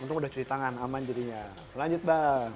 untung udah cuci tangan aman jadinya lanjut bang